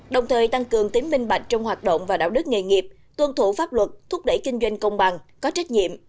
đồng thời tăng cường tính minh bạch trong hoạt động và đạo đức nghề nghiệp tuân thủ pháp luật thúc đẩy kinh doanh công bằng có trách nhiệm